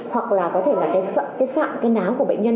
hoặc là có thể là cái sợ cái sạm cái náo của bệnh nhân